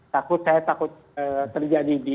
takut saya takut terjadi di